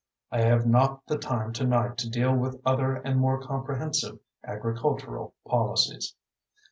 I have not the time tonight to deal with other and more comprehensive agricultural policies.